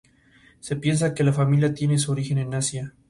Se piensa que la familia tiene su origen en Asia.